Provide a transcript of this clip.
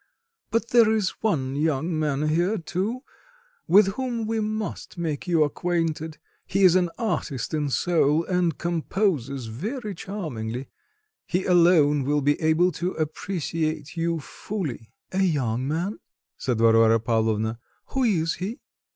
But there is one young man here too with whom we must make you acquainted. He is an artist in soul, and composes very charmingly. He alone will be able to appreciate you fully." "A young man?" said Varvara Pavlovna: "Who is he?